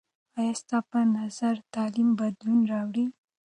آیا ستا په نظر تعلیم بدلون راوړي؟